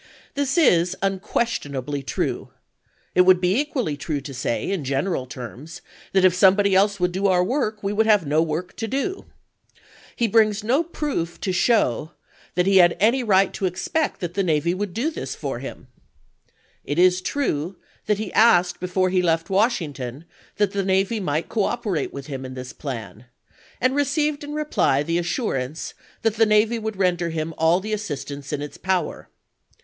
This is unquestionably true ; it would be equally true to say in general terms that if somebody else would do our work we would have no work to do. He brings no proof to show that YOEKTOWN 361 1862. Report of the Committee on the Conduct of the War, Part I., p. 6S0. Ibid., p. 631 et seq. he had any right to expect that the navy would chap, xx do this for him. It is true that he asked before he left Washington that the navy might cooperate with him in this plan, and received in reply the assurance that the navy would render him all the assistance in its power.